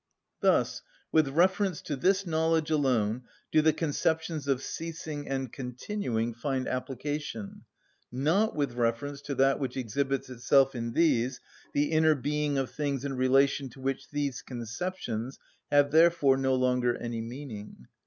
Thus with reference to this knowledge alone do the conceptions of ceasing and continuing find application, not with reference to that which exhibits itself in these, the inner being of things in relation to which these conceptions have therefore no longer any meaning.